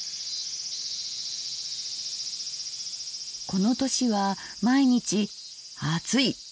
この年は毎日暑い！